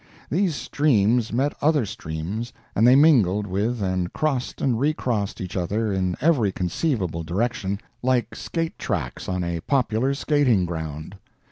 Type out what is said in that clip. These streams met other streams, and they mingled with and crossed and recrossed each other in every conceivable direction, like skate tracks on a popular skating ground.